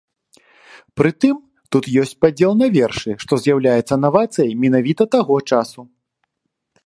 Пры тым, тут ёсць падзел на вершы, што з'яўляецца навацыяй менавіта таго часу.